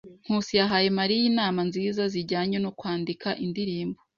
Nkusi yahaye Mariya inama nziza zijyanye no kwandika indirimbo.